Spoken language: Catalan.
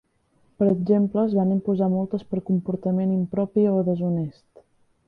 Per exemple, es van imposar multes per comportament impropi o deshonest.